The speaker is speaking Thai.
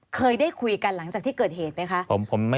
เคยได้คุยกันหลังจากที่เกิดเหตุไหมคะ